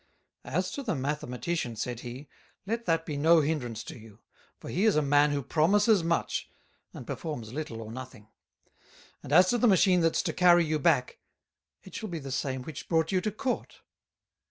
"As to the Mathematician," said he, "let that be no hinderance to you; for he is a Man who promises much, and performs little or nothing. And as to the Machine that's to carry you back, it shall be the same which brought you to Court."